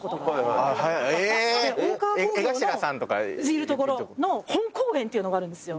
いるところの本公演っていうのがあるんですよ。